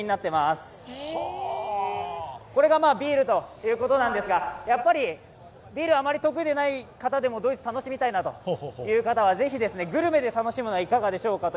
これがビールということですが、ビールあまり得意ではない方もドイツ楽しみたいという方はぜひグルメで楽しむのはいかがでしょうか。